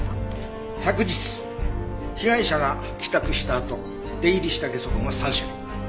昨日被害者が帰宅したあと出入りしたゲソ痕は３種類。